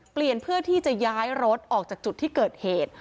เพื่อที่จะย้ายรถออกจากจุดที่เกิดเหตุ